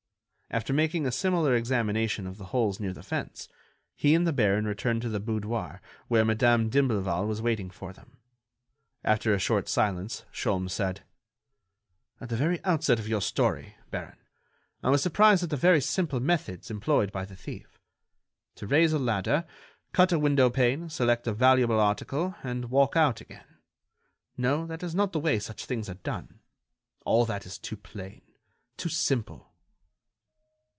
After making a similar examination of the holes near the fence, he and the baron returned to the boudoir where Madame d'Imblevalle was waiting for them. After a short silence Sholmes said: "At the very outset of your story, baron, I was surprised at the very simple methods employed by the thief. To raise a ladder, cut a window pane, select a valuable article, and walk out again—no, that is not the way such things are done. All that is too plain, too simple."